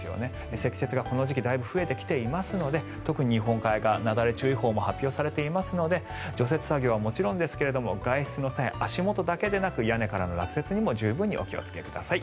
積雪がこの時期だいぶ増えてきていますので特に日本海側、なだれ注意報も発表されていますので除雪作業はもちろんですが外出の際は足元だけでなく屋根からの落雪にも十分にお気をつけください。